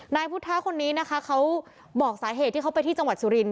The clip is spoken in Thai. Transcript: นายพุทธะคนนี้นะคะเขาบอกสาเหตุที่เขาไปที่จังหวัดสุรินท